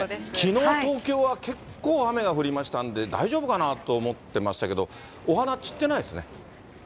きのう、東京は結構雨が降りましたんで、大丈夫かなと思ってましたけど、お花散ってないですね。